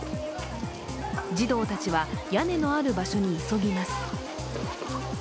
児童たちは屋根のある場所に急ぎます。